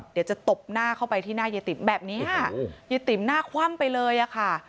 ตบหน้าเข้าไปที่หน้ายายติ๋มแบบนี้ยายติ๋มหน้าคว่ำไปเลยอะค่ะ